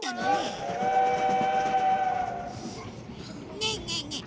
ねえねえねえ